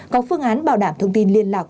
có phương án bảo đảm thông tin liên lạc